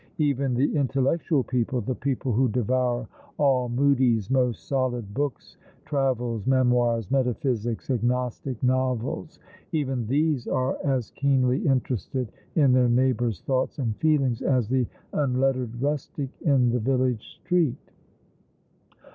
Even the intellectual people, the people who " Oh Moment One and Infinite !" 43 devour all Mudie's most solid books— travels, memoirs, metaphysics, agnostic novels — even these are as keenly interested in their neighbours' thoughts and feelings as the unlettered rustic in the village street.